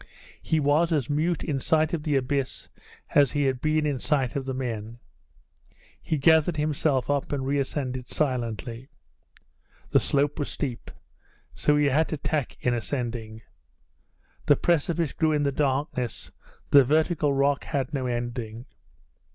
He was as mute in sight of the abyss as he had been in sight of the men; he gathered himself up and re ascended silently. The slope was steep; so he had to tack in ascending. The precipice grew in the darkness; the vertical rock had no ending.